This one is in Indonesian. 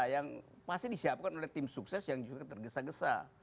yang pasti disiapkan oleh tim sukses yang juga tergesa gesa